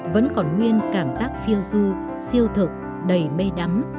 vẫn còn nguyên cảm giác phiêu du siêu thực đầy mây đắm